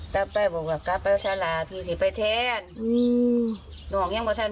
จู่ก็น็อคหมดสติพาไปส่งโรงพยาบาล